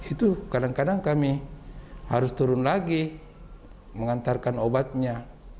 itu kadang kadang kami harus turun lagi mengantarkan obatnya